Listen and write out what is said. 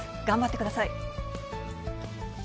頑張ってください。